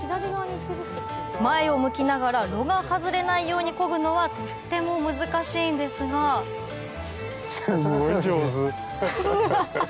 前を向きながら櫓が外れないように漕ぐのはとっても難しいんですがハハハ！